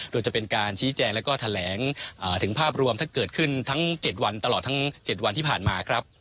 โดยจะเป็นการชี้แจงแล้วก็แถลงถึงภาพรวมถ้าเกิดขึ้นทั้ง๗วันตลอดทั้ง๗วันที่ผ่านมาครับ